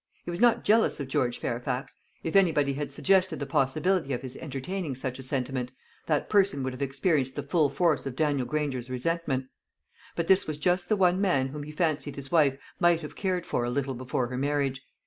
He was not jealous of George Fairfax. If anybody had suggested the possibility of his entertaining such a sentiment, that person would have experienced the full force of Daniel Granger's resentment; but this was just the one man whom he fancied his wife might have cared for a little before her marriage.